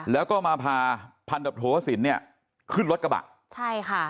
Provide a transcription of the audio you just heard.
แล้วก็มาพาพันตำลดโทษศิลป์เนี้ยขึ้นรถกระบะใช่ค่ะ